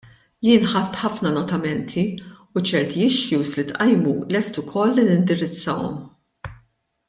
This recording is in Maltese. Jien ħadt ħafna notamenti u ċerti issues li tqajmu lest ukoll li nindirizzahom.